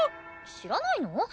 知らないの？